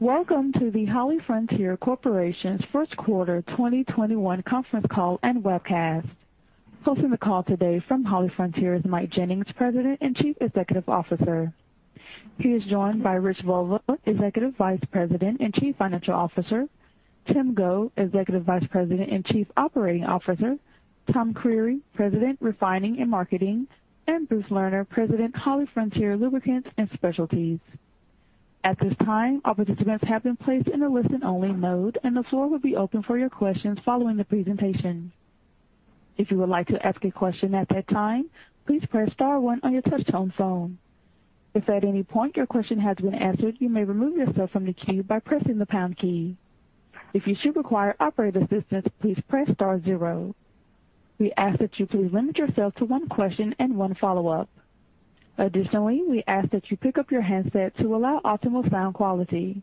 Welcome to the HollyFrontier Corporation's first quarter 2021 conference call and webcast. Hosting the call today from HollyFrontier is Mike Jennings, President and Chief Executive Officer. He is joined by Rich Voliva, Executive Vice President and Chief Financial Officer, Tim Go, Executive Vice President and Chief Operating Officer, Tom Creery, President, Refining and Marketing, and Bruce Lerner, President, HollyFrontier Lubricants and Specialties. At this time, all participants have been placed in a listen-only mode, and the floor will be open for your questions following the presentation. If you would like to ask a question at that time, please press star one on your touchtone phone. If at any point your question has been answered, you may remove yourself from the queue by pressing the pound key. If you should require operator assistance, please press star zero. We ask that you please limit yourself to one question and one follow-up. Additionally, we ask that you pick up your handset to allow optimal sound quality.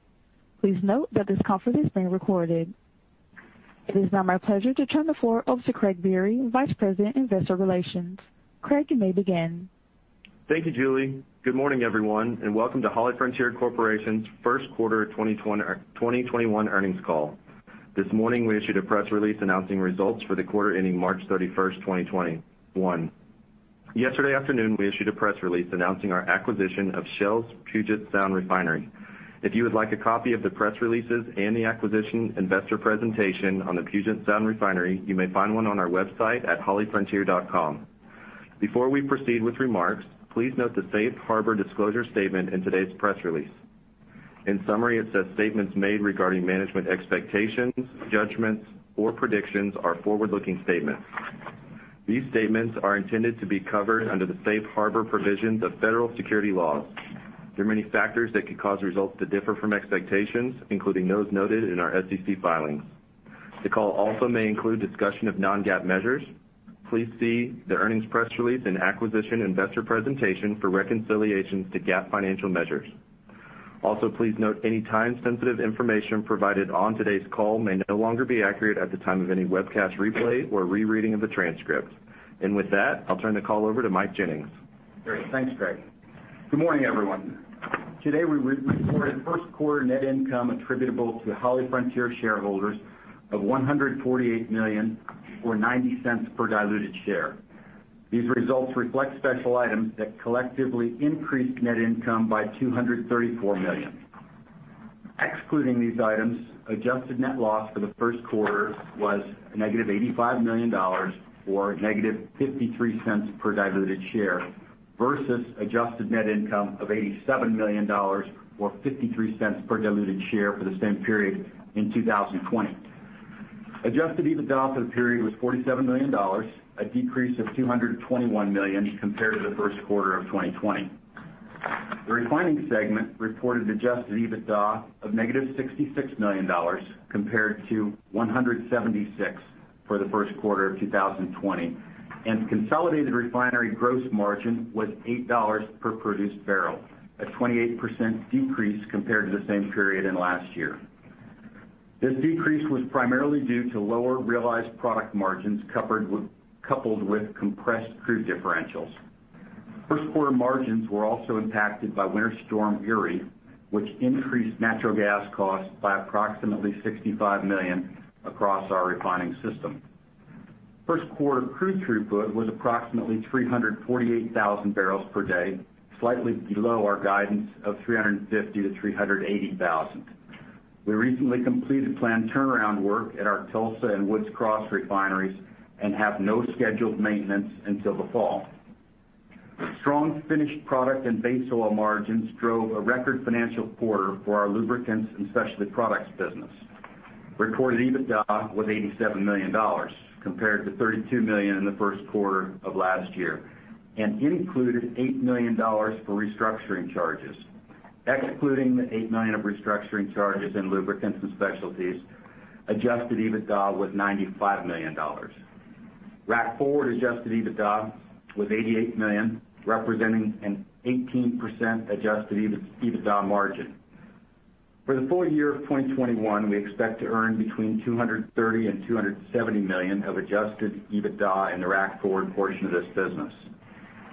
Please note that this conference is being recorded. It is now my pleasure to turn the floor over to Craig Biery, Vice President, Investor Relations. Craig, you may begin. Thank you, Julie. Good morning, everyone, and welcome to HollyFrontier Corporation's first quarter 2021 earnings call. This morning, we issued a press release announcing results for the quarter ending March 31st, 2021. Yesterday afternoon, we issued a press release announcing our acquisition of Shell's Puget Sound refinery. If you would like a copy of the press releases and the acquisition investor presentation on the Puget Sound refinery, you may find one on our website at hollyfrontier.com. Before we proceed with remarks, please note the safe harbor disclosure statement in today's press release. In summary, it says statements made regarding management expectations, judgments, or predictions are forward-looking statements. These statements are intended to be covered under the safe harbor provisions of federal security laws. There are many factors that could cause results to differ from expectations, including those noted in our SEC filings. The call also may include discussion of non-GAAP measures. Please see the earnings press release and acquisition investor presentation for reconciliations to GAAP financial measures. Please note any time-sensitive information provided on today's call may no longer be accurate at the time of any webcast replay or rereading of the transcript. With that, I'll turn the call over to Mike Jennings. Great. Thanks, Craig. Good morning, everyone. Today, we reported first quarter net income attributable to HollyFrontier shareholders of $148 million or $0.90 per diluted share. These results reflect special items that collectively increased net income by $234 million. Excluding these items, adjusted net loss for the first quarter was negative $85 million or negative $0.53 per diluted share versus adjusted net income of $87 million or $0.53 per diluted share for the same period in 2020. Adjusted EBITDA for the period was $47 million, a decrease of $221 million compared to the first quarter of 2020. The refining segment reported adjusted EBITDA of -$66 million compared to $176 million for the first quarter of 2020, and consolidated refinery gross margin was $8 per produced barrel, a 28% decrease compared to the same period in last year. This decrease was primarily due to lower realized product margins coupled with compressed crude differentials. First quarter margins were also impacted by Winter Storm Uri, which increased natural gas costs by approximately $65 million across our refining system. First quarter crude throughput was approximately 348,000 bbl per day, slightly below our guidance of 350,000 bbl-380,000 bbl. We recently completed planned turnaround work at our Tulsa and Woods Cross refineries and have no scheduled maintenance until the fall. Strong finished product and base oil margins drove a record financial quarter for our lubricants and specialty products business. Recorded EBITDA was $87 million, compared to $32 million in the first quarter of last year, and included $8 million for restructuring charges. Excluding the $8 million of restructuring charges in Lubricants and Specialties, adjusted EBITDA was $95 million. Rack Forward adjusted EBITDA was $88 million, representing an 18% adjusted EBITDA margin. For the full year of 2021, we expect to earn between $230 million and $270 million of adjusted EBITDA in the Rack Forward portion of this business.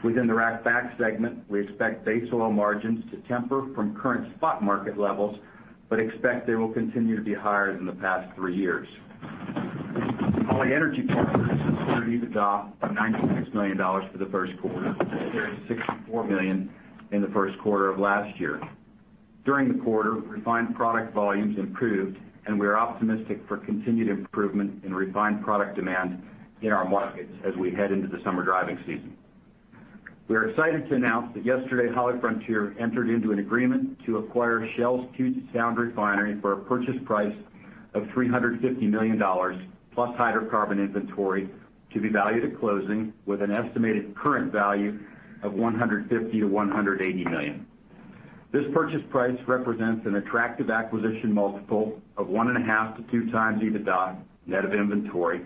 Within the Rack Back segment, we expect base oil margins to temper from current spot market levels, but expect they will continue to be higher than the past three years. Holly Energy Partners reported EBITDA of $96 million for the first quarter compared to $64 million in the first quarter of last year. During the quarter, refined product volumes improved, and we are optimistic for continued improvement in refined product demand in our markets as we head into the summer driving season. We are excited to announce that yesterday, HollyFrontier entered into an agreement to acquire Shell's Puget Sound refinery for a purchase price of $350 million plus hydrocarbon inventory to be valued at closing with an estimated current value of $150 million-$180 million. This purchase price represents an attractive acquisition multiple of 1.5x-2x EBITDA net of inventory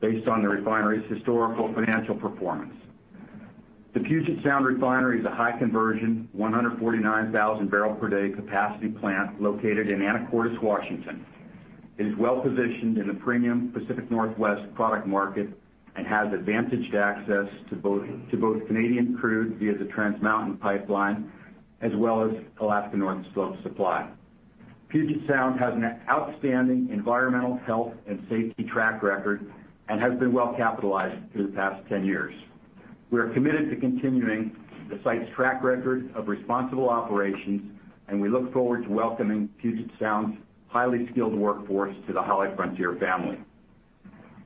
based on the refinery's historical financial performance. The Puget Sound refinery is a high conversion, 149,000 bbl per day capacity plant located in Anacortes, Washington. It is well positioned in the premium Pacific Northwest product market and has advantaged access to both Canadian crude via the Trans Mountain pipeline as well as Alaska North Slope supply. Puget Sound has an outstanding environmental health and safety track record and has been well capitalized through the past 10 years. We are committed to continuing the site's track record of responsible operations. We look forward to welcoming Puget Sound's highly skilled workforce to the HollyFrontier family.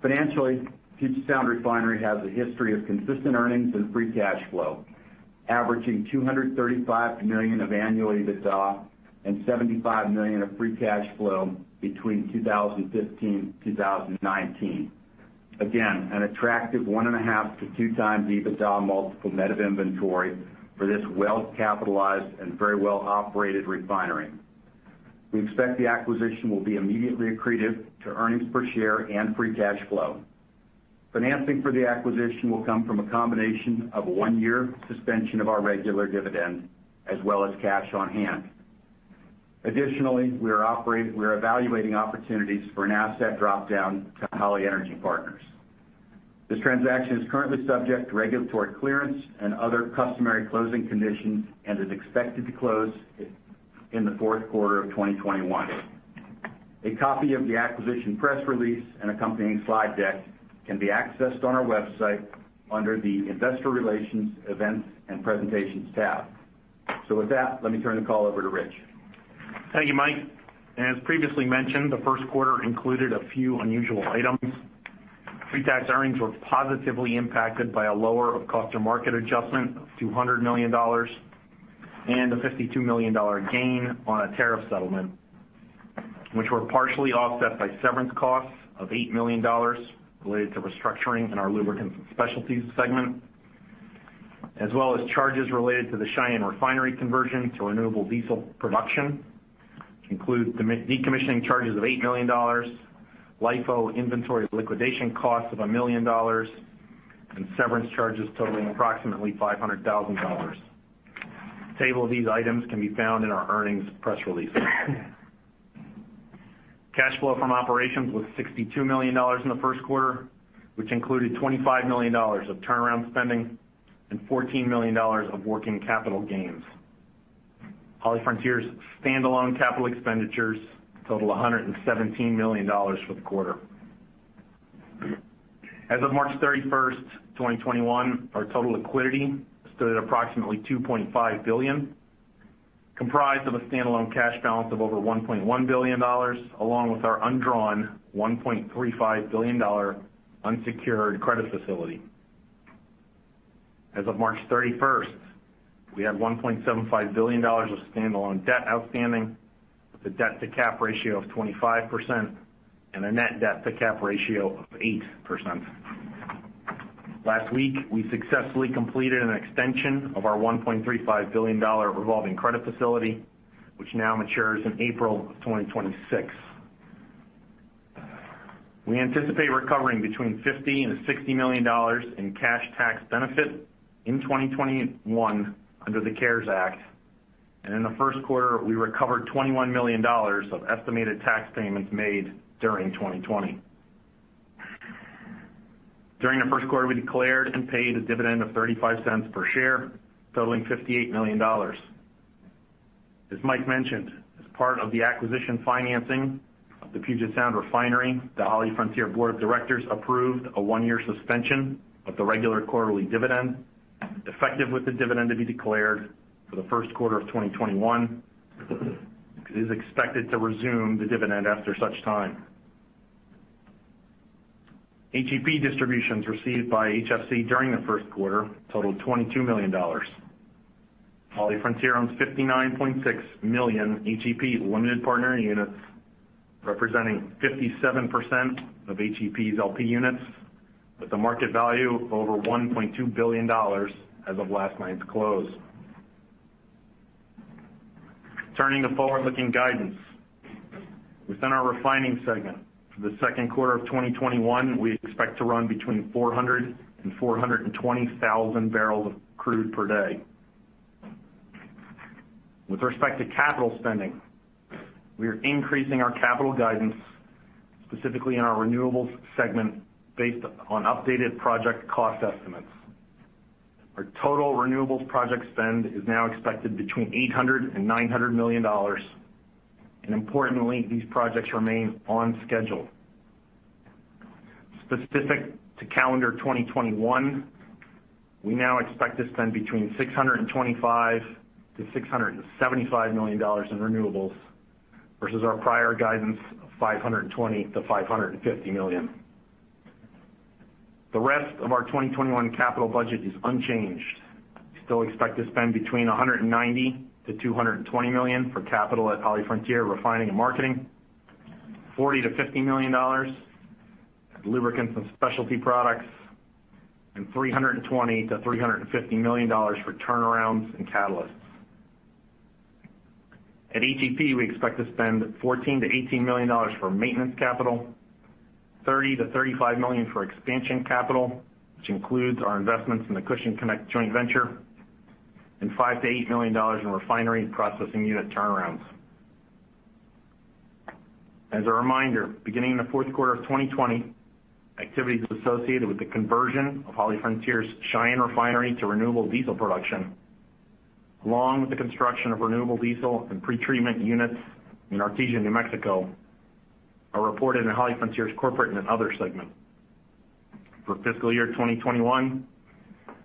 Financially, Puget Sound refinery has a history of consistent earnings and free cash flow, averaging $235 million of annual EBITDA and $75 million of free cash flow between 2015 to 2019. Again, an attractive 1.5x-2x EBITDA multiple net of inventory for this well-capitalized and very well-operated refinery. We expect the acquisition will be immediately accretive to earnings per share and free cash flow. Financing for the acquisition will come from a combination of a one-year suspension of our regular dividend as well as cash on hand. Additionally, we are evaluating opportunities for an asset dropdown to Holly Energy Partners. This transaction is currently subject to regulatory clearance and other customary closing conditions and is expected to close in the fourth quarter of 2021. A copy of the acquisition press release and accompanying slide deck can be accessed on our website under the investor relations events and presentations tab. With that, let me turn the call over to Rich. Thank you, Mike. As previously mentioned, the first quarter included a few unusual items. Pretax earnings were positively impacted by a lower of cost or market adjustment of $200 million and a $52 million gain on a tariff settlement, which were partially offset by severance costs of $8 million related to restructuring in our Lubricants and Specialties segment, as well as charges related to the Cheyenne Refinery conversion to renewable diesel production, which include decommissioning charges of $8 million, LIFO inventory liquidation costs of $1 million, and severance charges totaling approximately $500,000. A table of these items can be found in our earnings press release. Cash flow from operations was $62 million in the first quarter, which included $25 million of turnaround spending and $14 million of working capital gains. HollyFrontier's standalone capital expenditures total $117 million for the quarter. As of March 31st, 2021, our total liquidity stood at approximately $2.5 billion, comprised of a standalone cash balance of over $1.1 billion, along with our undrawn $1.35 billion unsecured credit facility. As of March 31st, we had $1.75 billion of standalone debt outstanding with a debt-to-cap ratio of 25% and a net debt-to-cap ratio of 8%. Last week, we successfully completed an extension of our $1.35 billion revolving credit facility, which now matures in April of 2026. We anticipate recovering between $50 million and $60 million in cash tax benefit in 2021 under the CARES Act, and in the first quarter we recovered $21 million of estimated tax payments made during 2020. During the first quarter, we declared and paid a dividend of $0.35 per share, totaling $58 million. As Mike mentioned, as part of the acquisition financing of the Puget Sound Refinery, the HollyFrontier board of directors approved a one-year suspension of the regular quarterly dividend, effective with the dividend to be declared for the first quarter of 2021. It is expected to resume the dividend after such time. HEP distributions received by HFC during the first quarter totaled $22 million. HollyFrontier owns 59.6 million HEP limited partner units, representing 57% of HEP's LP units with a market value of over $1.2 billion as of last night's close. Turning to forward-looking guidance. Within our Refining segment, for the second quarter of 2021, we expect to run between 400,000 bbl and 420,000 bbl of crude per day. With respect to capital spending, we are increasing our capital guidance, specifically in our Renewables segment, based on updated project cost estimates. Our total renewables project spend is now expected between $800 million and $900 million, and importantly, these projects remain on schedule. Specific to calendar 2021, we now expect to spend between $625 million-$675 million in renewables versus our prior guidance of $520 million-$550 million. The rest of our 2021 capital budget is unchanged. We still expect to spend between $190 million-$220 million for capital at HollyFrontier Refining and Marketing, $40 million-$50 million as Lubricants and Specialty Products, and $320 million-$350 million for turnarounds and catalysts. At HEP, we expect to spend $14 million-$18 million for maintenance capital, $30 million-$35 million for expansion capital, which includes our investments in the Cushing Connect joint venture. $5 million-$8 million in refinery and processing unit turnarounds. As a reminder, beginning in the fourth quarter of 2020, activities associated with the conversion of HollyFrontier's Cheyenne Refinery to renewable diesel production, along with the construction of renewable diesel and pretreatment units in Artesia, New Mexico, are reported in HollyFrontier's Corporate and Other segment. For fiscal year 2021,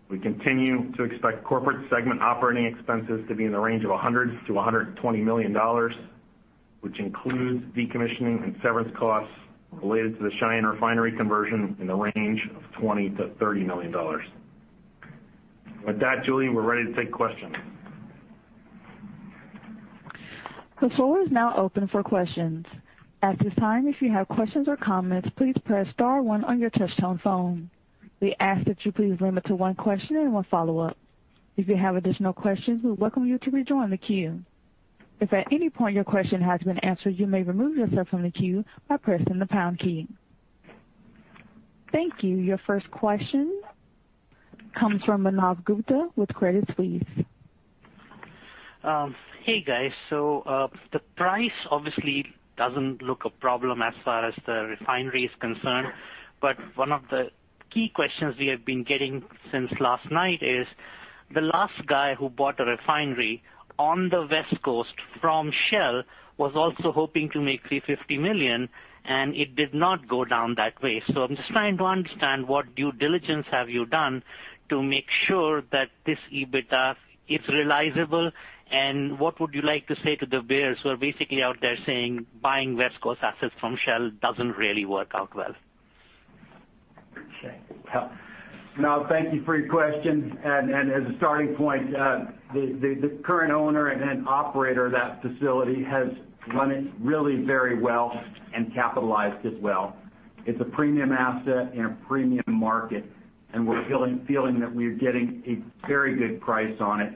we continue to expect Corporate segment operating expenses to be in the range of $100 million-$120 million, which includes decommissioning and severance costs related to the Cheyenne Refinery conversion in the range of $20 million-$30 million. With that, Julie, we're ready to take questions. Your first question comes from Manav Gupta with Credit Suisse. Hey, guys. The price obviously doesn't look a problem as far as the refinery is concerned, but one of the key questions we have been getting since last night is the last guy who bought a refinery on the West Coast from Shell was also hoping to make $350 million, and it did not go down that way. I'm just trying to understand what due diligence have you done to make sure that this EBITDA is realizable, and what would you like to say to the bears who are basically out there saying buying West Coast assets from Shell doesn't really work out well? Okay. Well, Manav, thank you for your question. As a starting point, the current owner and operator of that facility has run it really very well and capitalized it well. It's a premium asset in a premium market, we're feeling that we are getting a very good price on it.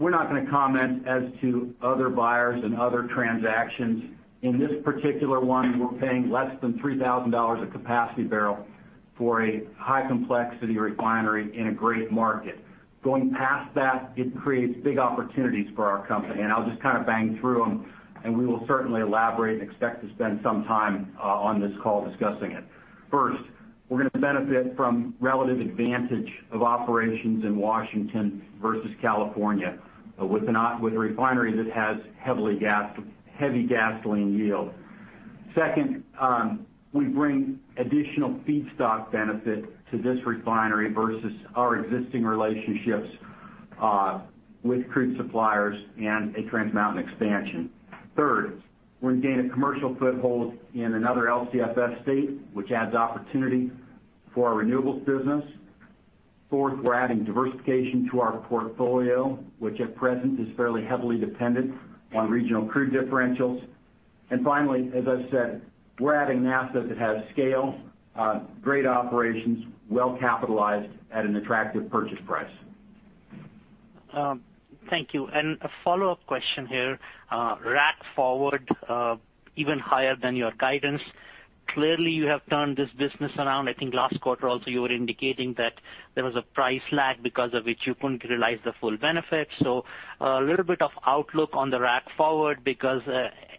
We're not going to comment as to other buyers and other transactions. In this particular one, we're paying less than $3,000 a capacity barrel for a high-complexity refinery in a great market. Going past that, it creates big opportunities for our company, I'll just kind of bang through them, we will certainly elaborate and expect to spend some time on this call discussing it. First, we're going to benefit from relative advantage of operations in Washington versus California with a refinery that has heavy gasoline yield. Second, we bring additional feedstock benefit to this refinery versus our existing relationships with crude suppliers and a Trans Mountain expansion. Third, we're going to gain a commercial foothold in another LCFS state, which adds opportunity for our renewables business. Fourth, we're adding diversification to our portfolio, which at present is fairly heavily dependent on regional crude differentials. Finally, as I said, we're adding an asset that has scale, great operations, well-capitalized at an attractive purchase price. Thank you. A follow-up question here. Rack Forward even higher than your guidance. Clearly, you have turned this business around. I think last quarter also, you were indicating that there was a price lag because of which you couldn't realize the full benefit. A little bit of outlook on the Rack Forward, because,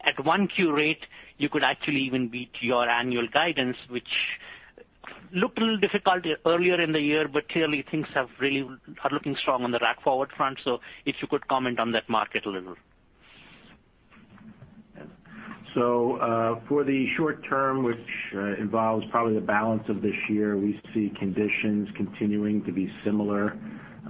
at 1Q rate, you could actually even beat your annual guidance, which looked a little difficult earlier in the year, but clearly things are looking strong on the Rack Forward front. If you could comment on that market a little. For the short term, which involves probably the balance of this year, we see conditions continuing to be similar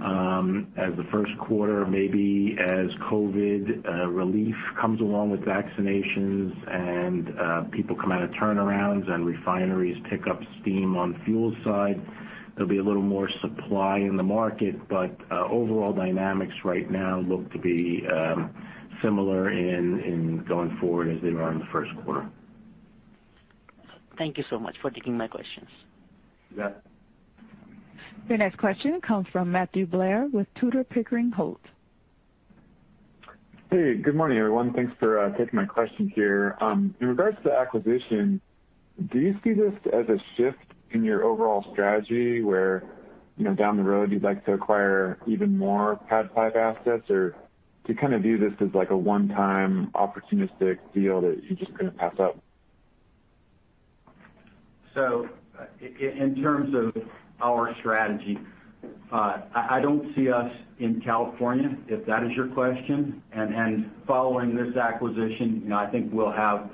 as the first quarter, maybe as COVID relief comes along with vaccinations and people come out of turnarounds and refineries pick up steam on fuel side. There'll be a little more supply in the market, but overall dynamics right now look to be similar in going forward as they were in the first quarter. Thank you so much for taking my questions. You bet. Your next question comes from Matthew Blair with Tudor, Pickering, Holt. Hey, good morning, everyone. Thanks for taking my question here. In regards to acquisition, do you see this as a shift in your overall strategy where, down the road, you'd like to acquire even more PADD 5 assets? Do you kind of view this as like a one-time opportunistic deal that you just couldn't pass up? In terms of our strategy, I don't see us in California, if that is your question. Following this acquisition, I think we'll have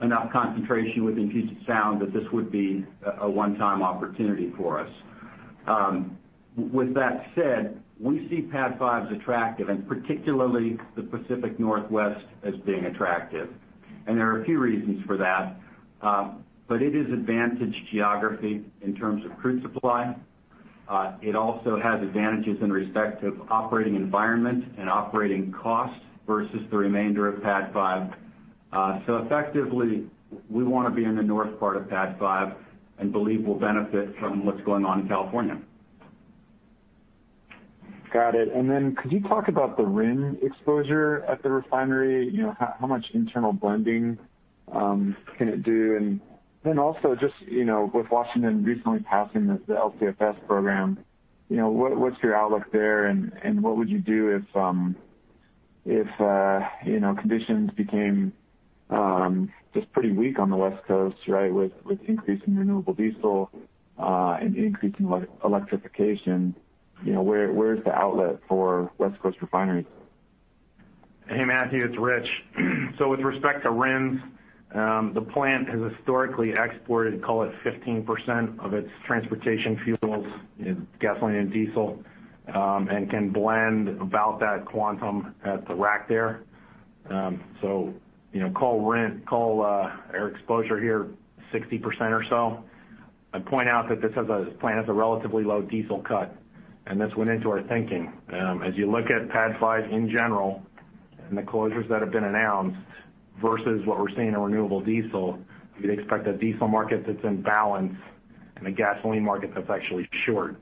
enough concentration within Puget Sound that this would be a one-time opportunity for us. With that said, we see PADD 5 attractive and particularly the Pacific Northwest as being attractive. There are a few reasons for that. It is advantaged geography in terms of crude supply. It also has advantages in respect of operating environment and operating costs versus the remainder of PADD 5. Effectively, we want to be in the north part of PADD 5 and believe we'll benefit from what's going on in California. Got it. Could you talk about the RIN exposure at the refinery? How much internal blending can it do? Also just with Washington recently passing the LCFS program, what's your outlook there and what would you do if conditions became just pretty weak on the West Coast, right? With increasing renewable diesel, and increasing electrification, where is the outlet for West Coast refineries? Hey, Matthew, it's Rich. With respect to RINs, the plant has historically exported, call it 15% of its transportation fuels, its gasoline and diesel, and can blend about that quantum at the rack there. Call our exposure here 60% or so. I'd point out that this plant has a relatively low diesel cut, and this went into our thinking. As you look at PADD 5 in general and the closures that have been announced versus what we're seeing in renewable diesel, you'd expect a diesel market that's in balance and a gasoline market that's actually short.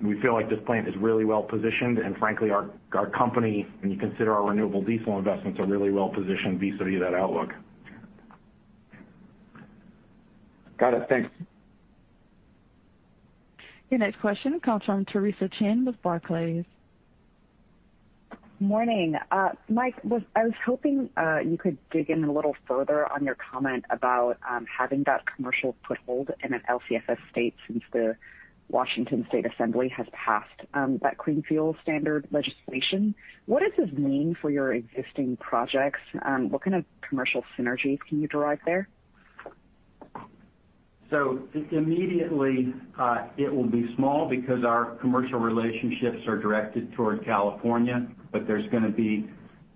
We feel like this plant is really well-positioned, and frankly, our company, when you consider our renewable diesel investments, are really well positioned vis-à-vis that outlook. Got it. Thanks. Your next question comes from Theresa Chen with Barclays. Morning. Mike, I was hoping you could dig in a little further on your comment about having that commercial foothold in an LCFS state since the Washington State Legislature has passed that Clean Fuel Standard legislation. What does this mean for your existing projects? What kind of commercial synergies can you derive there? Immediately, it will be small because our commercial relationships are directed toward California, but there's going to be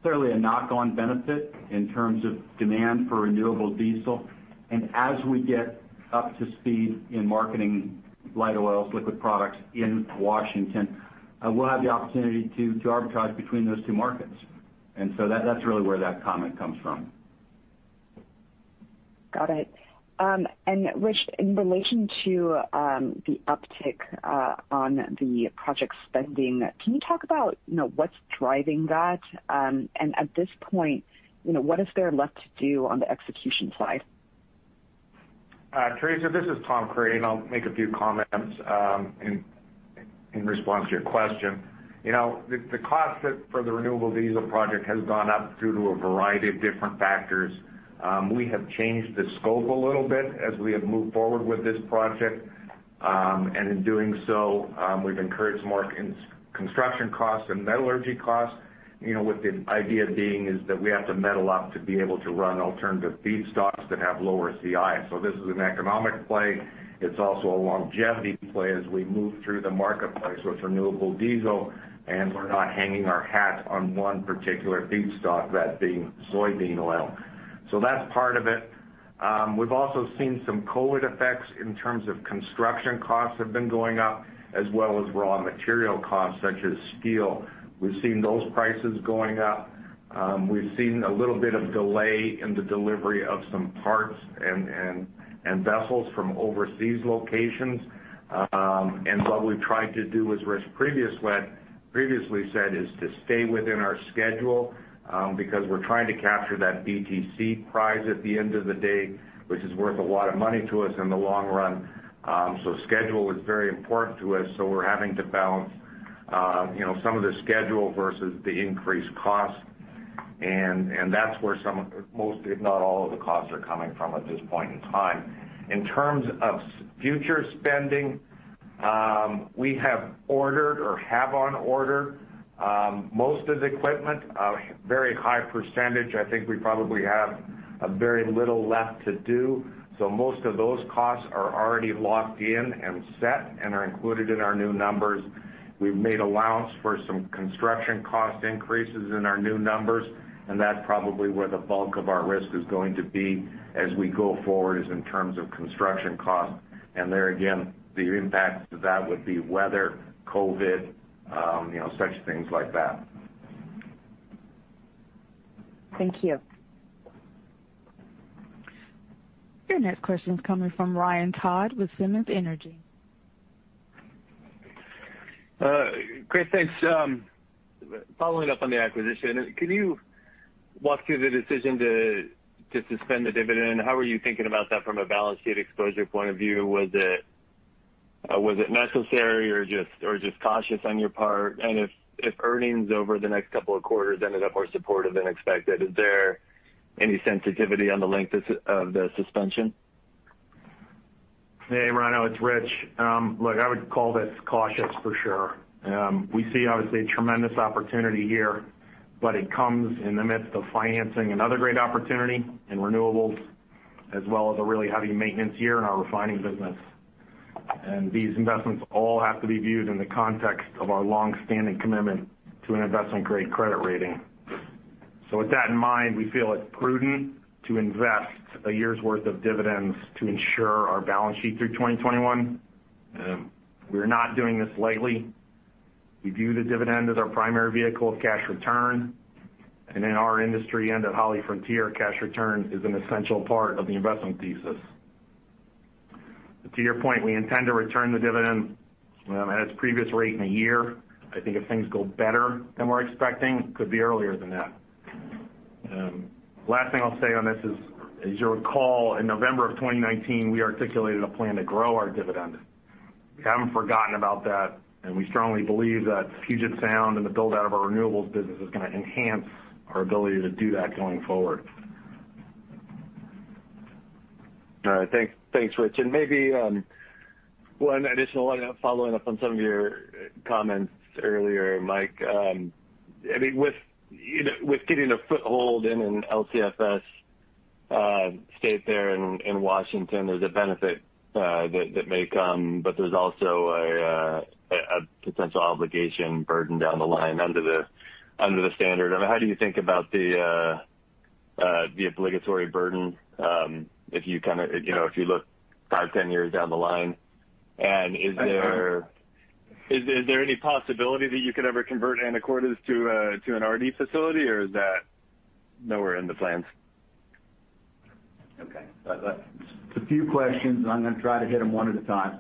clearly a knock-on benefit in terms of demand for renewable diesel. As we get up to speed in marketing light oils, liquid products in Washington, we'll have the opportunity to arbitrage between those two markets. That's really where that comment comes from. Got it. Rich, in relation to the uptick on the project spending, can you talk about what's driving that? At this point, what is there left to do on the execution side? Theresa, this is Tom Creery, and I'll make a few comments in response to your question. The cost for the renewable diesel project has gone up due to a variety of different factors. In doing so, we've incurred more construction costs and metallurgy costs, with the idea being that we have to metal up to be able to run alternative feedstocks that have lower CI. This is an economic play. It's also a longevity play as we move through the marketplace with renewable diesel, and we're not hanging our hat on one particular feedstock, that being soybean oil. That's part of it. We've also seen some COVID effects in terms of construction costs have been going up as well as raw material costs such as steel. We've seen those prices going up. We've seen a little bit of delay in the delivery of some parts and vessels from overseas locations. What we've tried to do, as Rich previously said, is to stay within our schedule, because we're trying to capture that BTC prize at the end of the day, which is worth a lot of money to us in the long run. Schedule is very important to us. We're having to balance some of the schedule versus the increased cost, and that's where most if not all of the costs are coming from at this point in time. In terms of future spending, we have ordered or have on order, most of the equipment, a very high percentage. I think we probably have very little left to do. Most of those costs are already locked in and set and are included in our new numbers. We've made allowance for some construction cost increases in our new numbers, and that's probably where the bulk of our risk is going to be as we go forward is in terms of construction costs. There again, the impact to that would be weather, COVID, such things like that. Thank you. Your next question is coming from Ryan Todd with Simmons Energy. Great. Thanks. Following up on the acquisition, can you walk through the decision to suspend the dividend? How are you thinking about that from a balance sheet exposure point of view? Was it necessary or just cautious on your part? If earnings over the next couple of quarters ended up more supportive than expected, is there any sensitivity on the length of the suspension? Hey, Ryan. It's Rich. I would call this cautious for sure. We see, obviously, a tremendous opportunity here, it comes in the midst of financing another great opportunity in renewables, as well as a really heavy maintenance year in our refining business. These investments all have to be viewed in the context of our longstanding commitment to an investment-grade credit rating. With that in mind, we feel it prudent to invest a year's worth of dividends to ensure our balance sheet through 2021. We're not doing this lightly. We view the dividend as our primary vehicle of cash return. In our industry and at HollyFrontier, cash return is an essential part of the investment thesis. To your point, we intend to return the dividend at its previous rate in a year. I think if things go better than we're expecting, it could be earlier than that. Last thing I'll say on this is, as you'll recall, in November of 2019, we articulated a plan to grow our dividend. We haven't forgotten about that, we strongly believe that Puget Sound and the build-out of our renewables business is going to enhance our ability to do that going forward. All right. Thanks, Rich. Maybe one additional one following up on some of your comments earlier, Mike. With getting a foothold in an LCFS state there in Washington, there's a benefit that may come, but there's also a potential obligation burden down the line under the standard. How do you think about the obligatory burden, if you look five, 10 years down the line? Is there any possibility that you could ever convert Anacortes to an RD facility, or is that nowhere in the plans? Okay. A few questions. I'm going to try to hit them one at a time.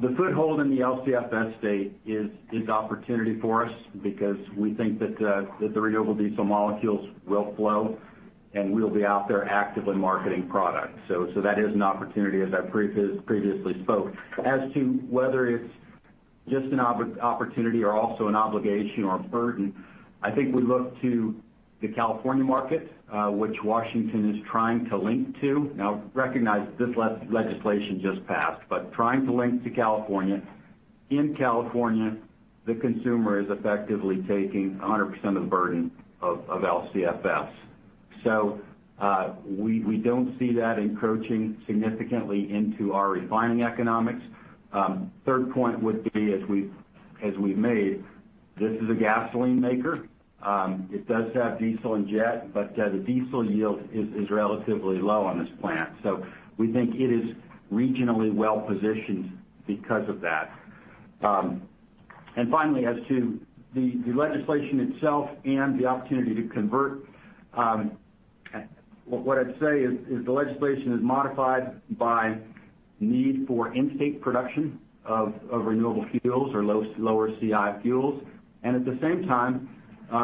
The foothold in the LCFS state is opportunity for us because we think that the renewable diesel molecules will flow, and we'll be out there actively marketing product. That is an opportunity as I previously spoke. As to whether it's just an opportunity or also an obligation or a burden, I think we look to the California market, which Washington is trying to link to. Recognize that this legislation just passed, trying to link to California. In California, the consumer is effectively taking 100% of the burden of LCFS. We don't see that encroaching significantly into our refining economics. Third point would be, as we've made, this is a gasoline maker. It does have diesel and jet, but the diesel yield is relatively low on this plant, so we think it is regionally well-positioned because of that. Finally, as to the legislation itself and the opportunity to convert, what I'd say is the legislation is modified by need for in-state production of renewable fuels or lower CI fuels. At the same time,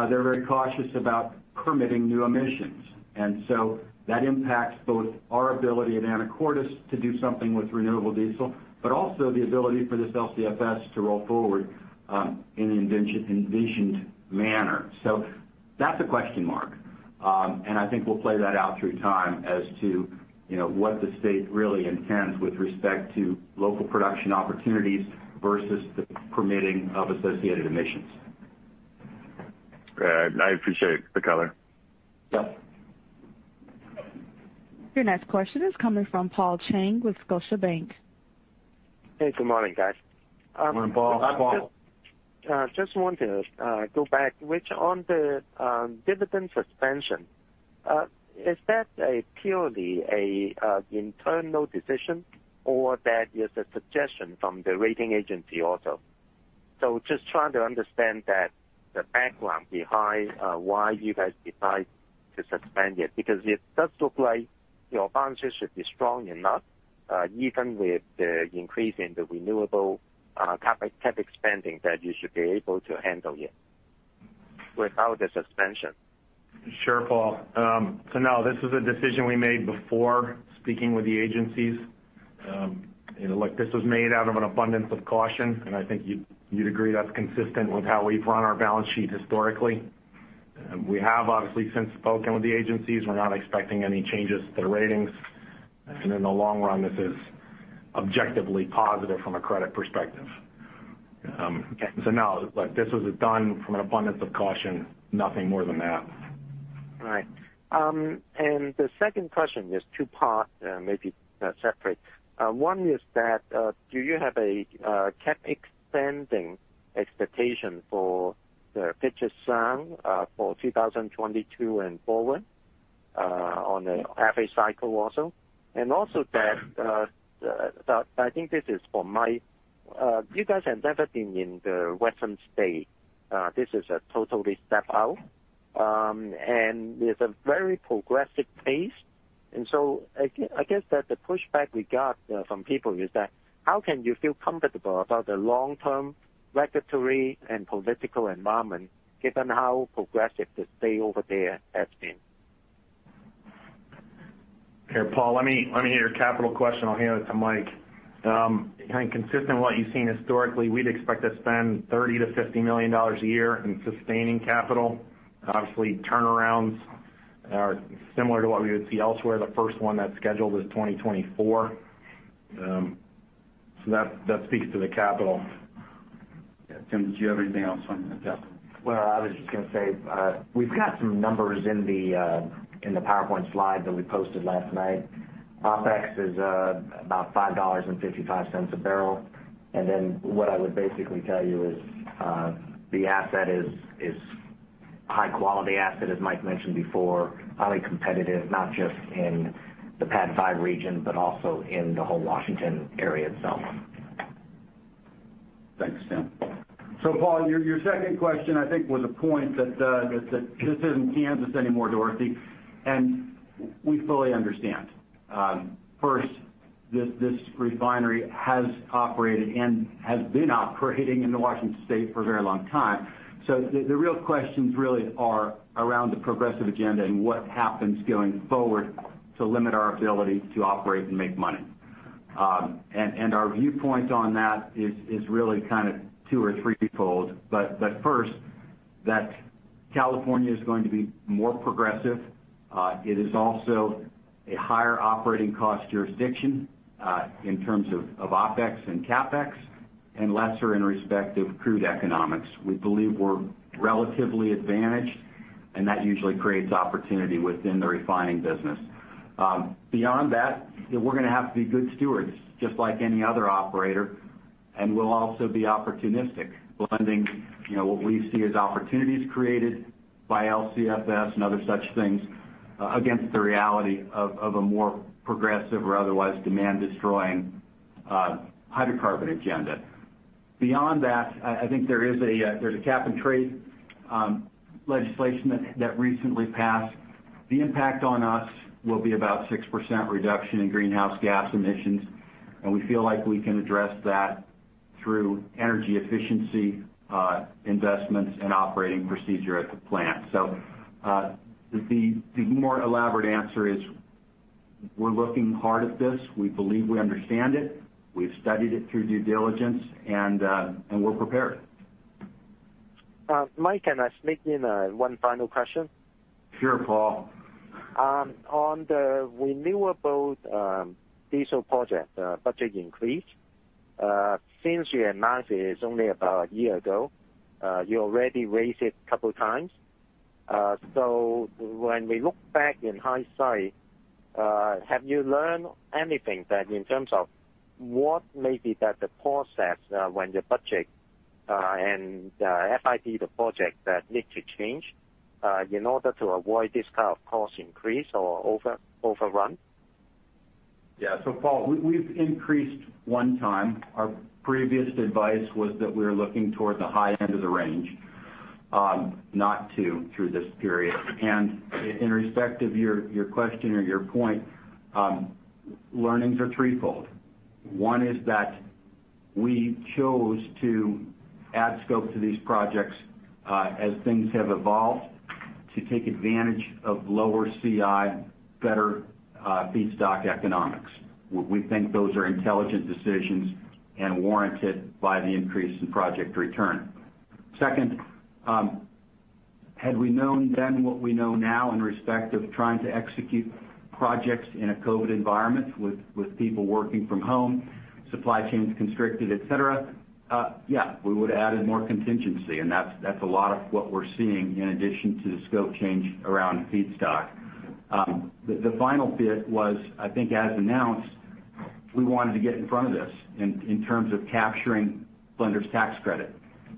they're very cautious about permitting new emissions. That impacts both our ability at Anacortes to do something with renewable diesel, but also the ability for this LCFS to roll forward in the envisioned manner. That's a question mark. I think we'll play that out through time as to what the state really intends with respect to local production opportunities versus the permitting of associated emissions. I appreciate the color. Yep. Your next question is coming from Paul Cheng with Scotiabank. Hey, good morning, guys. Good morning, Paul. Hi, Paul. Just want to go back, Rich, on the dividend suspension. Is that purely an internal decision or that is a suggestion from the rating agency also? Just trying to understand the background behind why you guys decide to suspend it, because it does look like your balances should be strong enough, even with the increase in the renewable CapEx spending, that you should be able to handle it without a suspension. Sure, Paul. No, this is a decision we made before speaking with the agencies. Look, this was made out of an abundance of caution, and I think you'd agree that's consistent with how we've run our balance sheet historically. We have obviously since spoken with the agencies. We're not expecting any changes to the ratings, and in the long run, this is objectively positive from a credit perspective. No. Look, this was done from an abundance of caution, nothing more than that. Right. The second question is two parts, maybe separate. One is that, do you have a CapEx spending expectation for Puget Sound for 2022 and forward on a half a cycle also? Also that, I think this is for Mike. You guys have never been in the western state. This is a totally step-out, and with a very progressive pace. I guess that the pushback we got from people is that how can you feel comfortable about the long-term regulatory and political environment given how progressive the state over there has been? Okay, Paul, let me hear your capital question. I'll hand it to Mike. I think consistent with what you've seen historically, we'd expect to spend $30 million-$50 million a year in sustaining capital. Obviously, turnarounds are similar to what we would see elsewhere. The first one that's scheduled is 2024. That speaks to the capital. Tim, did you have anything else on that? Well, I was just going to say, we've got some numbers in the PowerPoint slide that we posted last night. OpEx is about $5.55 a barrel. Then what I would basically tell you is the asset is high quality asset, as Mike mentioned before, highly competitive, not just in the PADD 5 region, but also in the whole Washington area itself. Thanks, Tim. Paul, your second question, I think, was a point that this isn't Kansas anymore, Dorothy, and we fully understand. First, this refinery has operated and has been operating in the Washington State for a very long time. The real questions really are around the progressive agenda and what happens going forward to limit our ability to operate and make money. Our viewpoint on that is really two or threefold. First, that California is going to be more progressive. It is also a higher operating cost jurisdiction in terms of OPEX and CapEx and lesser in respect of crude economics. We believe we're relatively advantaged, that usually creates opportunity within the refining business. Beyond that, we're going to have to be good stewards, just like any other operator, we'll also be opportunistic, blending what we see as opportunities created by LCFS and other such things against the reality of a more progressive or otherwise demand-destroying hydrocarbon agenda. Beyond that, I think there's a cap and trade legislation that recently passed. The impact on us will be about 6% reduction in greenhouse gas emissions, we feel like we can address that through energy efficiency investments and operating procedure at the plant. The more elaborate answer is we're looking hard at this. We believe we understand it. We've studied it through due diligence, we're prepared. Mike, can I sneak in one final question? Sure, Paul. On the renewable diesel project budget increase, since you announced it's only about a year ago, you already raised it a couple of times. When we look back in hindsight, have you learned anything that in terms of what may be that the process when the budget and the FID the project that need to change in order to avoid this kind of cost increase or overrun? Yeah. Paul, we've increased one time. Our previous advice was that we were looking toward the high end of the range, not two through this period. In respect of your question or your point, learnings are threefold. One is that we chose to add scope to these projects as things have evolved to take advantage of lower CI, better feedstock economics. We think those are intelligent decisions and warranted by the increase in project return. Second, had we known then what we know now in respect of trying to execute projects in a COVID environment with people working from home, supply chains constricted, et cetera, yeah, we would've added more contingency, and that's a lot of what we're seeing in addition to the scope change around feedstock. The final bit was, I think as announced, we wanted to get in front of this in terms of capturing blender's tax credit.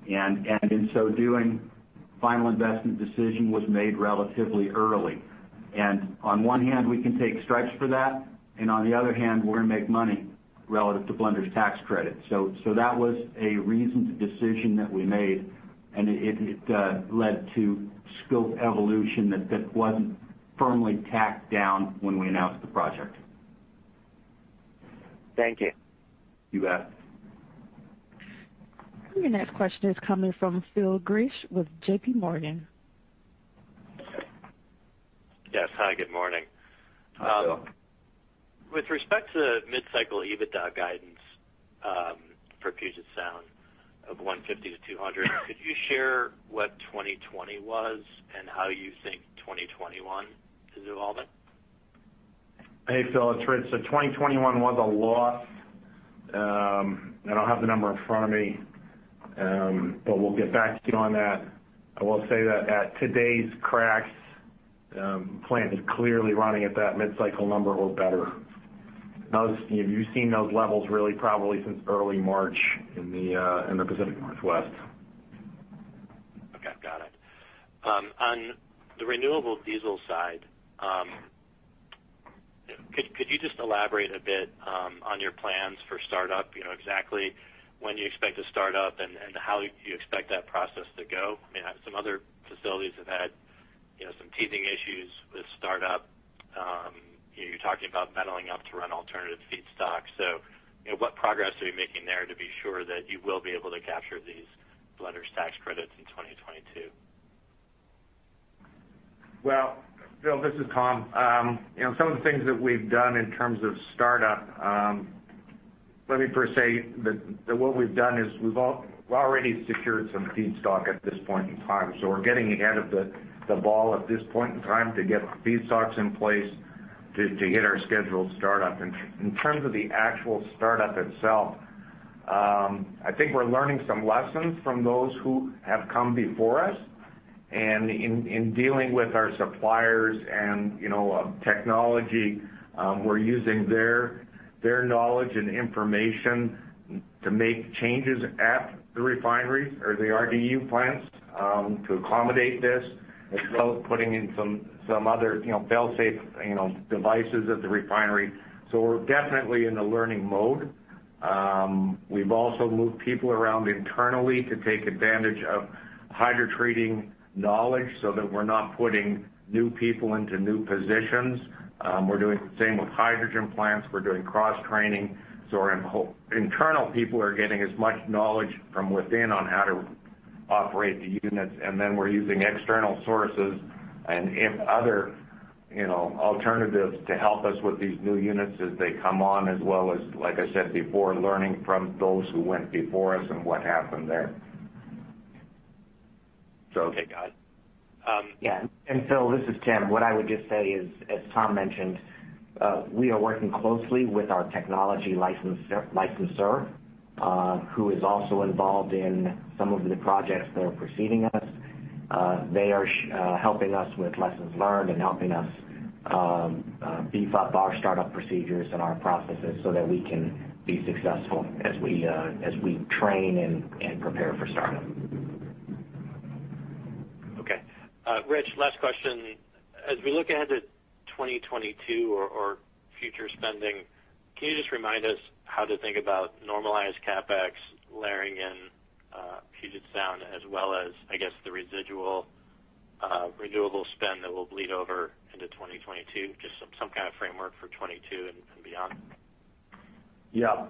In so doing, final investment decision was made relatively early. On one hand, we can take stripes for that, and on the other hand, we're going to make money relative to blender's tax credit. That was a reasoned decision that we made, and it led to scope evolution that wasn't firmly tacked down when we announced the project. Thank you. You bet. Your next question is coming from Phil Gresh with JPMorgan. Yes. Hi, good morning. Hi, Phil. With respect to mid-cycle EBITDA guidance for Puget Sound of $150-$200, could you share what 2020 was and how you think 2021 is evolving? Hey, Phil, it's Rich. 2021 was a loss. I don't have the number in front of me, but we'll get back to you on that. I will say that at today's cracks, the plant is clearly running at that mid-cycle number or better. You've seen those levels really probably since early March in the Pacific Northwest. Okay, got it. On the renewable diesel side, could you just elaborate a bit on your plans for startup, exactly when you expect to start up, and how you expect that process to go? Some other facilities have had some teething issues with startup. You're talking about ramping up to run alternative feedstock. What progress are you making there to be sure that you will be able to capture these blender's tax credits in 2022? Well, Phil, this is Tom. Some of the things that we've done in terms of startup, let me first say that what we've done is we've already secured some feedstock at this point in time. We're getting ahead of the ball at this point in time to get feedstocks in place to get our scheduled startup. In terms of the actual startup itself, I think we're learning some lessons from those who have come before us, and in dealing with our suppliers and technology, we're using their knowledge and information to make changes at the refinery or the RDU plants to accommodate this, as well as putting in some other fail-safe devices at the refinery. We're definitely in a learning mode. We've also moved people around internally to take advantage of hydrotreating knowledge so that we're not putting new people into new positions. We're doing the same with hydrogen plants. We're doing cross-training. Our internal people are getting as much knowledge from within on how to operate the units, and then we're using external sources and other alternatives to help us with these new units as they come on, as well as, like I said before, learning from those who went before us and what happened there. Okay, got it. Yeah. Phil, this is Tim. What I would just say is, as Tom mentioned, we are working closely with our technology licensor, who is also involved in some of the projects that are preceding us. They are helping us with lessons learned and helping us beef up our startup procedures and our processes so that we can be successful as we train and prepare for startup. Okay. Rich, last question. As we look ahead to 2022 or future spending, can you just remind us how to think about normalized CapEx layering in Puget Sound as well as, I guess, the residual renewable spend that will bleed over into 2022? Just some kind of framework for 2022 and beyond. Yeah.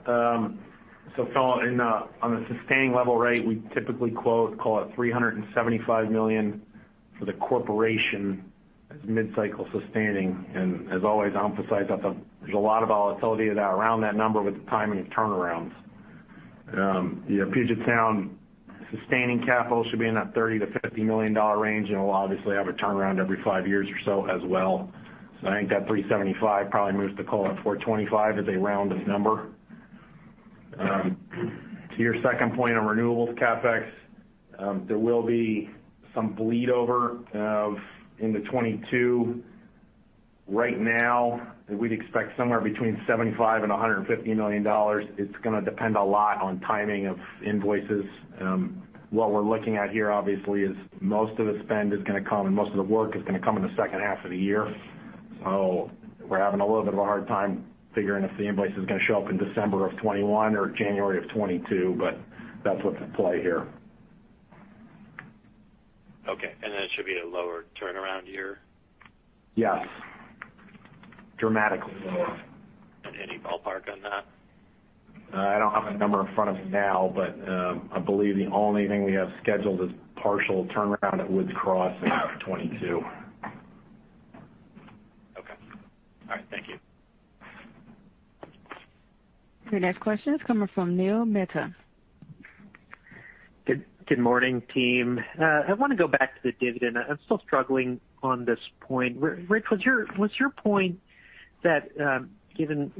Phil, on a sustaining level rate, we typically call it $375 million for the corporation as mid-cycle sustaining. As always, emphasize that there's a lot of volatility around that number with the timing of turnarounds. Puget Sound sustaining capital should be in that $30 million-$50 million range, and we'll obviously have a turnaround every five years or so as well. I think that 375 probably moves to call it 425 as a rounded number. To your second point on renewables CapEx, there will be some bleed over into 2022. Right now, we'd expect somewhere between $75 million and $150 million. It's going to depend a lot on timing of invoices. What we're looking at here, obviously, is most of the spend is going to come, and most of the work is going to come in the second half of the year. We're having a little bit of a hard time figuring if the invoice is going to show up in December of 2021 or January of 2022, but that's what's in play here. Okay, that should be a lower turnaround year? Yes. Dramatically lower. Any ballpark on that? I don't have a number in front of me now, but I believe the only thing we have scheduled is partial turnaround at Woods Cross in 2022. Okay. All right, thank you. Your next question is coming from Neil Mehta. Good morning, team. I want to go back to the dividend. I'm still struggling on this point. Rich, was your point that given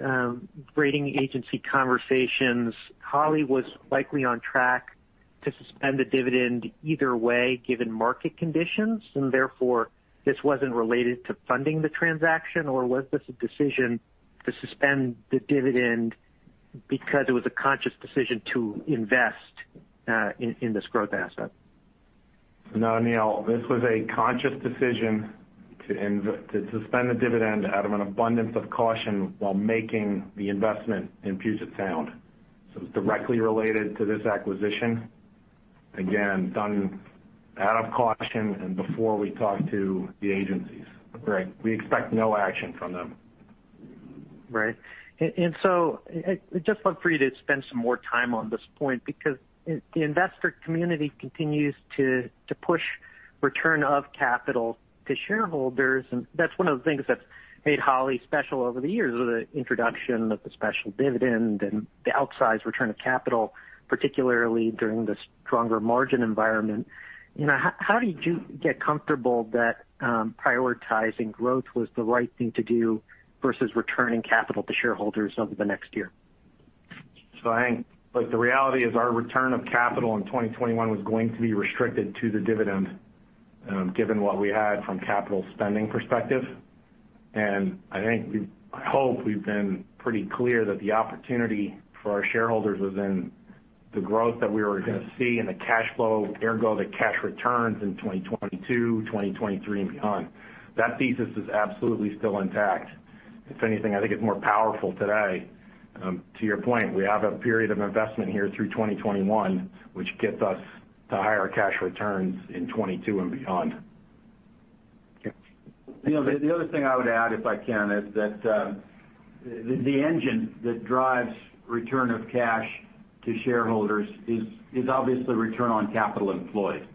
rating agency conversations, Holly was likely on track to suspend the dividend either way, given market conditions? And therefore, this wasn't related to funding the transaction? Or was this a decision to suspend the dividend because it was a conscious decision to invest in this growth asset? No, Neil, this was a conscious decision to suspend the dividend out of an abundance of caution while making the investment in Puget Sound. It's directly related to this acquisition. Again, done out of caution and before we talk to the agencies. We expect no action from them. Right. I'd just love for you to spend some more time on this point because the investor community continues to push return of capital to shareholders, and that's one of the things that's made Holly special over the years, with the introduction of the special dividend and the outsized return of capital, particularly during the stronger margin environment. How did you get comfortable that prioritizing growth was the right thing to do versus returning capital to shareholders over the next year? I think, look, the reality is our return of capital in 2021 was going to be restricted to the dividend given what we had from capital spending perspective. I hope we've been pretty clear that the opportunity for our shareholders is in the growth that we were going to see and the cash flow, ergo, the cash returns in 2022, 2023, and beyond. That thesis is absolutely still intact. If anything, I think it's more powerful today. To your point, we have a period of investment here through 2021, which gets us to higher cash returns in 2022 and beyond. Okay. Neil, the other thing I would add, if I can, is that the engine that drives return of cash to shareholders is obviously return on capital employed.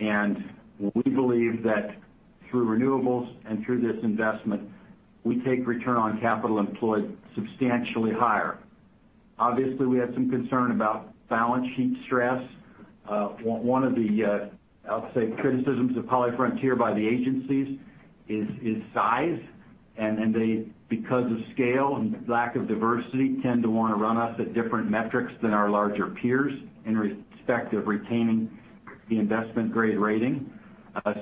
We believe that through renewables and through this investment, we take return on capital employed substantially higher. Obviously, we had some concern about balance sheet stress. One of the, I would say, criticisms of HollyFrontier by the agencies is size, and they, because of scale and lack of diversity, tend to want to run us at different metrics than our larger peers in respect of retaining the investment-grade rating.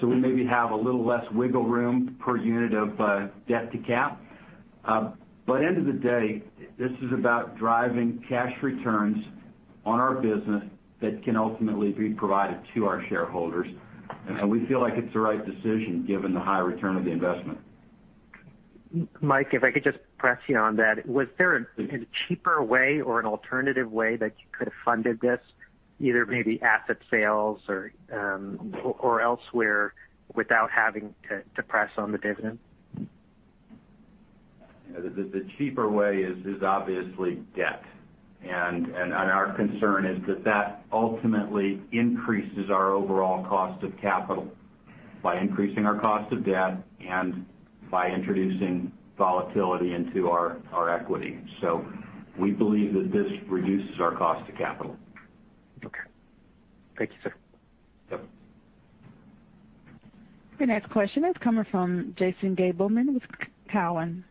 We maybe have a little less wiggle room per unit of debt to cap. At the end of the day, this is about driving cash returns on our business that can ultimately be provided to our shareholders. We feel like it's the right decision given the high return of the investment. Mike, if I could just press you on that. Was there a cheaper way or an alternative way that you could have funded this, either maybe asset sales or elsewhere without having to press on the dividend? The cheaper way is obviously debt, and our concern is that ultimately increases our overall cost of capital by increasing our cost of debt and by introducing volatility into our equity. We believe that this reduces our cost to capital. Okay. Thank you, sir. Yep. Your next question is coming from Jason Gabelman with Cowen.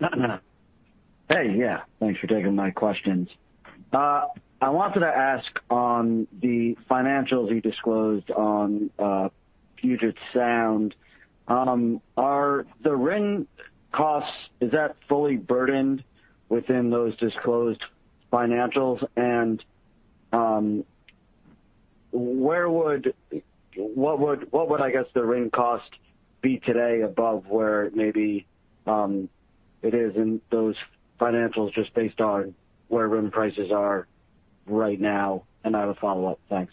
Hey, yeah. Thanks for taking my questions. I wanted to ask on the financials you disclosed on Puget Sound. Are the RIN costs fully burdened within those disclosed financials? What would, I guess, the RIN cost be today above where maybe it is in those financials just based on where RIN prices are right now? I have a follow-up. Thanks.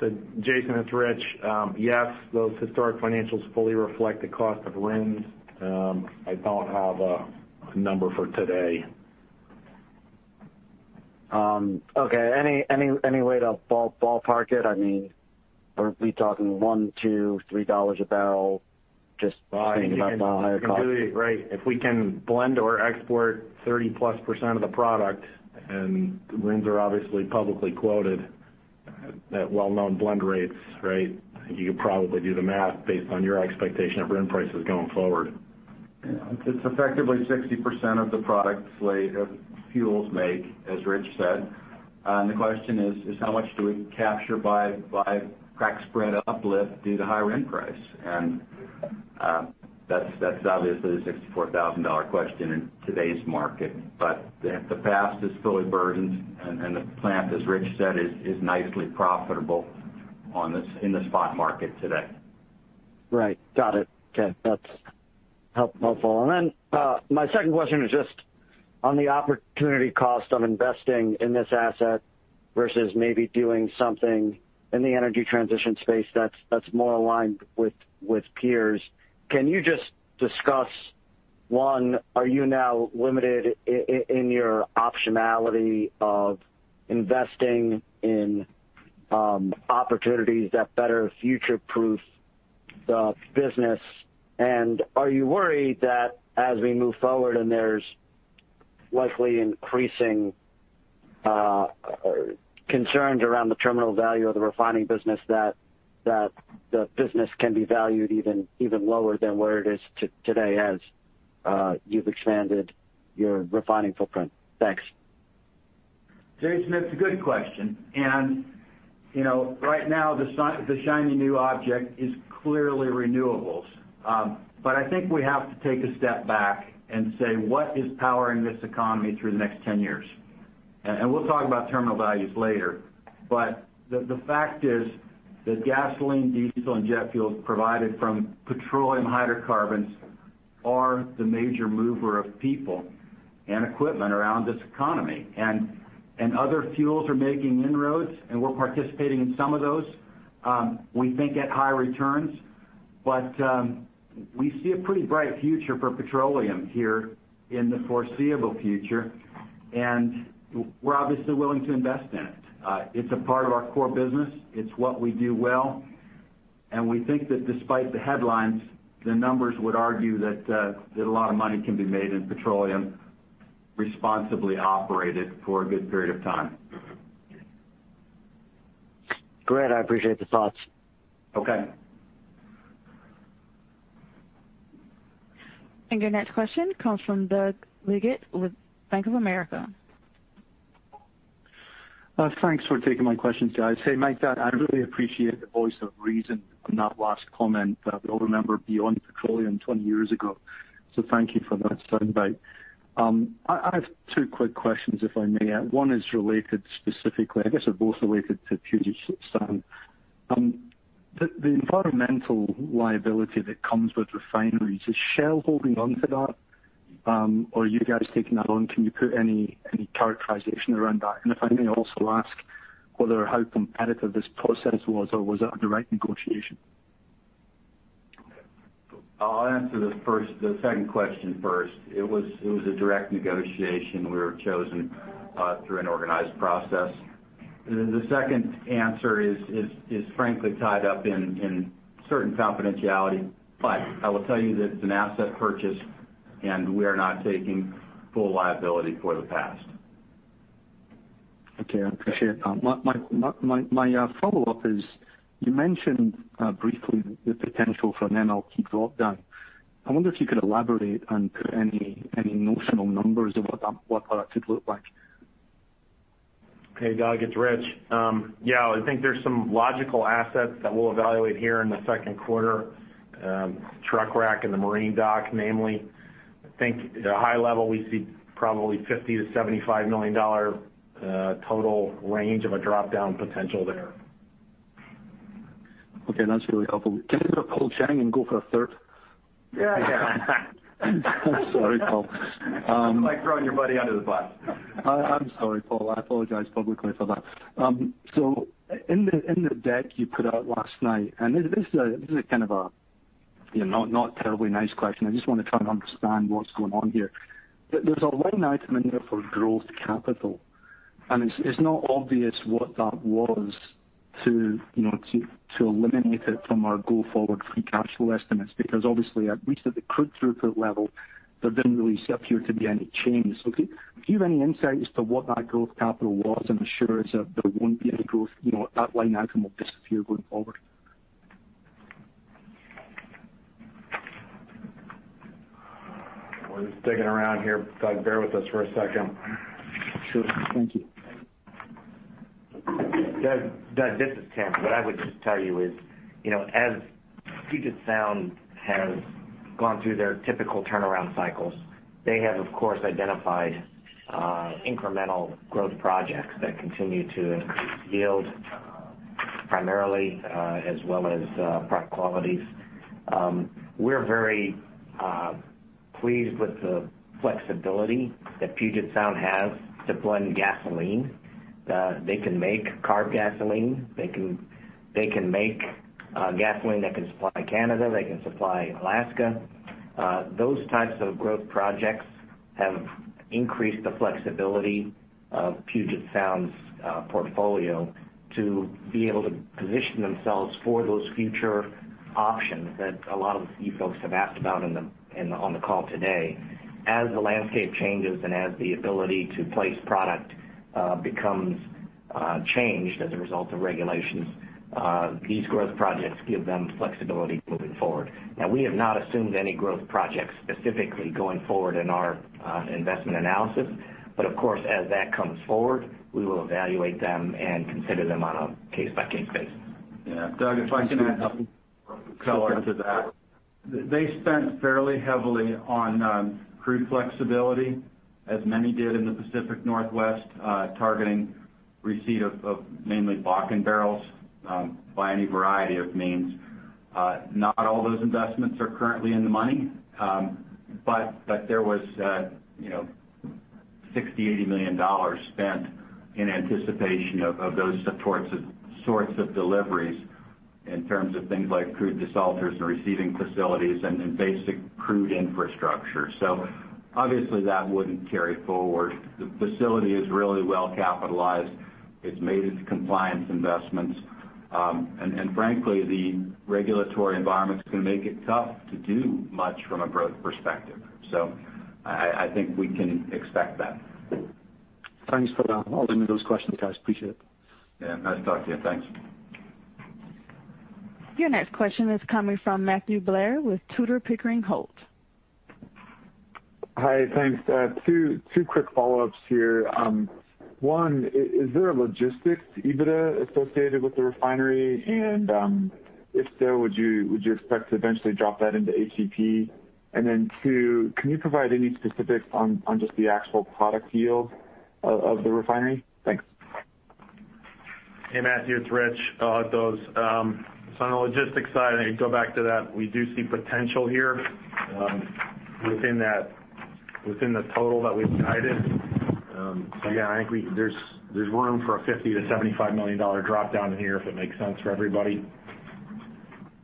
Jason, it's Rich. Yes, those historic financials fully reflect the cost of RINs. I don't have a number for today. Okay. Any way to ballpark it? Are we talking $1, $2, $3 a barrel? Just thinking about the higher cost. Right. If we can blend or export 30-plus percent of the product, RINs are obviously publicly quoted at well-known blend rates, right? You could probably do the math based on your expectation of RIN prices going forward. It's effectively 60% of the product slate fuels make, as Rich said. The question is how much do we capture by crack spread uplift due to higher RIN price? That's obviously the $64,000 question in today's market. The past is fully burdened, and the plant, as Rich said, is nicely profitable in the spot market today. Right. Got it. Okay. That's helpful. My second question is just on the opportunity cost of investing in this asset versus maybe doing something in the energy transition space that's more aligned with peers. Can you just discuss, one, are you now limited in your optionality of investing in opportunities that better future-proof the business? Are you worried that as we move forward and there's likely increasing concerns around the terminal value of the refining business, that the business can be valued even lower than where it is today as you've expanded your refining footprint? Thanks. Jason, it's a good question. Right now the shiny new object is clearly renewables. I think we have to take a step back and say, what is powering this economy through the next 10 years? We'll talk about terminal values later. The fact is that gasoline, diesel, and jet fuels provided from petroleum hydrocarbons are the major mover of people and equipment around this economy. Other fuels are making inroads, and we're participating in some of those. We think at high returns, but we see a pretty bright future for petroleum here in the foreseeable future, and we're obviously willing to invest in it. It's a part of our core business. It's what we do well. We think that despite the headlines, the numbers would argue that a lot of money can be made in petroleum, responsibly operated for a good period of time. Great. I appreciate the thoughts. Okay. Your next question comes from Doug Leggate with Bank of America. Thanks for taking my questions, guys. Hey, Mike, I really appreciate the voice of reason on that last comment. We all remember Beyond Petroleum 20 years ago. Thank you for that soundbite. I have two quick questions, if I may. One is related specifically, I guess they're both related, to Puget Sound. The environmental liability that comes with refineries, is Shell holding on to that? Are you guys taking that on? Can you put any characterization around that? If I may also ask whether how competitive this process was or was it a direct negotiation? Okay. I'll answer the second question first. It was a direct negotiation. We were chosen through an organized process. The second answer is frankly tied up in certain confidentiality. I will tell you that it's an asset purchase and we are not taking full liability for the past. Okay. I appreciate that. My follow-up is, you mentioned briefly the potential for an MLP dropdown. I wonder if you could elaborate and put any notional numbers of what that could look like. Hey, Doug, it's Rich. Yeah, I think there's some logical assets that we'll evaluate here in the second quarter, truck rack and the marine dock namely. I think at a high level, we see probably $50 million-$75 million total range of a drop-down potential there. Okay. That's really helpful. Can I go to Paul Cheng and go for a third? Yeah. I'm sorry, Paul. Nothing like throwing your buddy under the bus. I'm sorry, Paul. I apologize publicly for that. In the deck you put out last night, and this is a kind of a not terribly nice question. I just want to try and understand what's going on here. There's a line item in there for growth capital, and it's not obvious what that was to eliminate it from our go-forward free cash flow estimates, because obviously at least at the crude throughput level, there didn't really appear to be any change. Do you have any insight as to what that growth capital was and assurance that there won't be any growth, that line item will disappear going forward? We're just digging around here, Doug. Bear with us for one second. Sure. Thank you. Doug, this is Tim. What I would just tell you is, as Puget Sound has gone through their typical turnaround cycles, they have, of course, identified incremental growth projects that continue to increase yield, primarily, as well as product qualities. We're very pleased with the flexibility that Puget Sound has to blend gasoline. They can make CARB gasoline. They can make gasoline that can supply Canada. They can supply Alaska. Those types of growth projects have increased the flexibility of Puget Sound's portfolio to be able to position themselves for those future options that a lot of you folks have asked about on the call today. As the landscape changes and as the ability to place product becomes changed as a result of regulations, these growth projects give them flexibility moving forward. Now, we have not assumed any growth projects specifically going forward in our investment analysis. Of course, as that comes forward, we will evaluate them and consider them on a case-by-case basis. Yeah. Doug, if I can add color to that. They spent fairly heavily on crude flexibility, as many did in the Pacific Northwest, targeting receipt of mainly Bakken barrels by any variety of means. Not all those investments are currently in the money. There was $60 million, $80 million spent in anticipation of those sorts of deliveries in terms of things like crude desalters and receiving facilities and basic crude infrastructure. Obviously, that wouldn't carry forward. The facility is really well capitalized. It's made its compliance investments. Frankly, the regulatory environment's going to make it tough to do much from a growth perspective. I think we can expect that. Thanks for answering those questions, guys. Appreciate it. Yeah, nice talking to you. Thanks. Your next question is coming from Matthew Blair with Tudor, Pickering Holt. Hi. Thanks. Two quick follow-ups here. One, is there a logistics EBITDA associated with the refinery? If so, would you expect to eventually drop that into HEP? Two, can you provide any specifics on just the actual product yield of the refinery? Thanks. Hey, Matthew Blair, it's Rich Voliva. On the logistics side, I go back to that, we do see potential here within the total that we've guided. Again, I think there's room for a $50 million-$75 million drop-down here if it makes sense for everybody.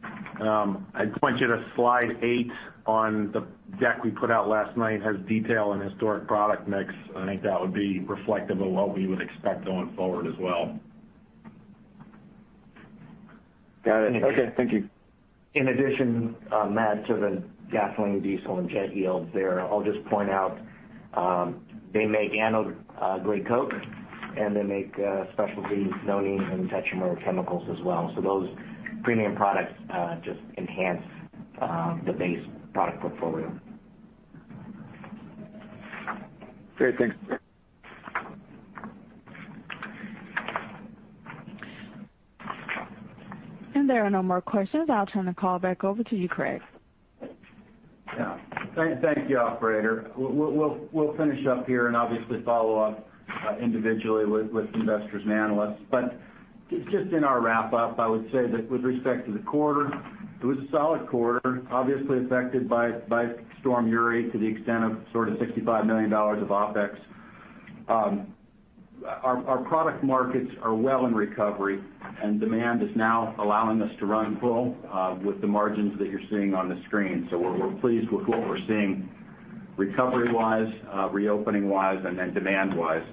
I'd point you to slide eight on the deck we put out last night, has detail on historic product mix. I think that would be reflective of what we would expect going forward as well. Got it. Okay. Thank you. In addition, Matt, to the gasoline, diesel, and jet yield there, I'll just point out they make anode-grade coke, and they make specialty nonene and tetramer chemicals as well. Those premium products just enhance the base product portfolio. Great. Thanks. There are no more questions. I'll turn the call back over to you, Craig. Thank you, operator. We'll finish up here and obviously follow up individually with investors and analysts. Just in our wrap-up, I would say that with respect to the quarter, it was a solid quarter, obviously affected by Winter Storm Uri to the extent of sort of $65 million of OpEx. Our product markets are well in recovery, and demand is now allowing us to run full with the margins that you're seeing on the screen. We're pleased with what we're seeing recovery-wise, reopening-wise, and then demand-wise.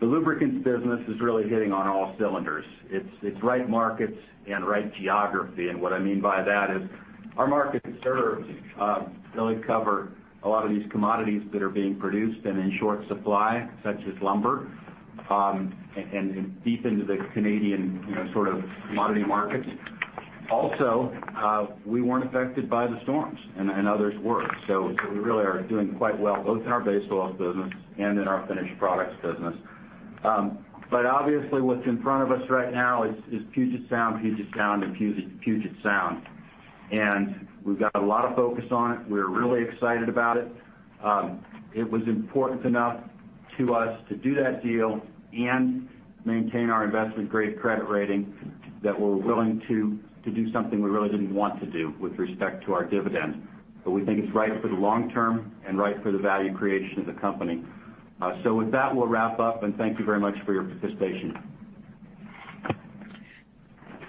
The lubricants business is really hitting on all cylinders. It's right markets and right geography, and what I mean by that is our markets served really cover a lot of these commodities that are being produced and in short supply, such as lumber, and deep into the Canadian commodity markets. Also, we weren't affected by the storms, and others were. We really are doing quite well, both in our base oil business and in our finished products business. Obviously, what's in front of us right now is Puget Sound, Puget Sound, and Puget Sound. We've got a lot of focus on it. We're really excited about it. It was important enough to us to do that deal and maintain our investment-grade credit rating that we're willing to do something we really didn't want to do with respect to our dividend. We think it's right for the long term and right for the value creation of the company. With that, we'll wrap up, and thank you very much for your participation.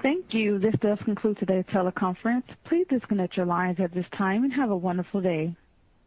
Thank you. This does conclude today's teleconference. Please disconnect your lines at this time, and have a wonderful day.